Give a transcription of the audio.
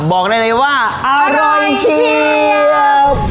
บอกได้เลยว่าอร่อยเชียบ